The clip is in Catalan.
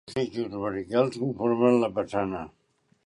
Dos eixos verticals conformen la façana.